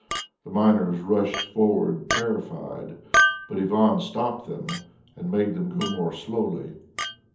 The miners rushed forward terrified, but Ivan stopped them and made them go more slowly.